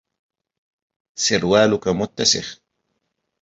سروالك متسخ.